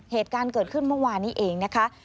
เหตุการณ์เกิดขึ้นเมื่อวานนี้เองนะคะ